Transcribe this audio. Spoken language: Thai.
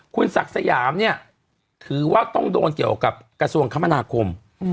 คุณศักดิ์สยามเนี่ยถือว่าต้องโดนเกี่ยวกับกระทรวงคมนาคม